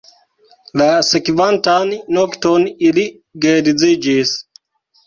La sekvantan nokton ili geedziĝis.